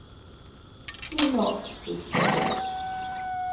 Do not destroy it.